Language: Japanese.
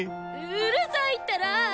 うるさいったら！